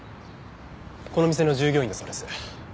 この店の従業員だそうです。